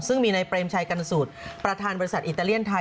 ซึ่งมีนายเปรมชัยกันสูตรประธานบริษัทอิตาเลียนไทย